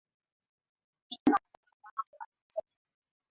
Kijana mkakamavu alimsaidia